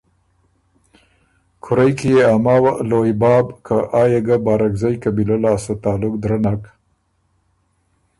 کُورۀ کی يې ا ماوه ”لویٛ باب“ که آ يې ګۀ بارکزئ قبیلۀ لاسته تعلق درنک